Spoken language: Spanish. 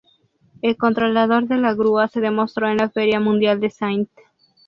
El controlador de la grúa se demostró en la Feria Mundial de St.